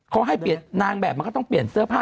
เขาให้เปลี่ยนนางแบบมันก็ต้องเปลี่ยนเสื้อผ้า